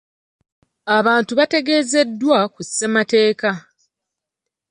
Abantu baategeezeddwa ku ssemateeka.